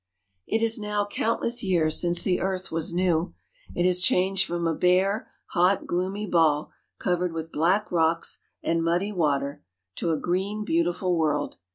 It is now countless years since the earth was new. It has changed from a bare, hot gloomy ball, covered with black rocks and muddy water, to a green, beautiful world.